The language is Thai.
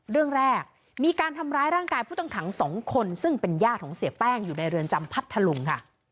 เรื่องแรกมีการทำร้ายร่างกายผู้ต้องขัง๒คนซึ่งเป็นญาติของเสียแป้งอยู่ในเรือนจำพัทธลุงค่ะ